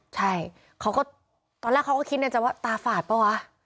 ใช่ตอนแรกเขาก็คิดในจำว่าตาฝาดเปล่าวะ